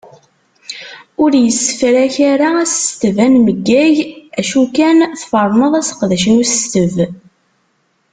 Ur issefrak ara asesteb anmeggag acu kan tferneḍ aseqdec n usesteb.